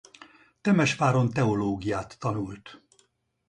Temesváron teológiát tanult.